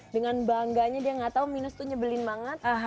dengan bangganya dia nggak tahu minus tuh nyebelin banget